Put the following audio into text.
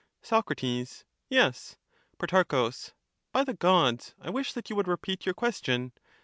Socrates, SOC. Yes. PHOTA.CHUS. Pro. By the gods, I wish that you would repeat your ®^?^' question.